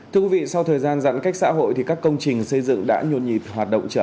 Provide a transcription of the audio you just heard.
thư vị sau thời gian giãn cách xã hội thì các công trình xây dựng đã nhuồn nhịp hoạt động trở